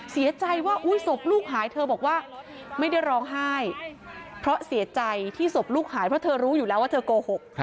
เสียใจว่าศพลูกหายเธอบอกว่าไม่ได้ร้องไห้เพราะเสียใจที่ศพลูกหายเพราะเธอรู้อยู่แล้วว่าเธอโกหก